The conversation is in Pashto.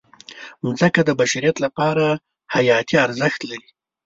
مځکه د بشریت لپاره حیاتي ارزښت لري.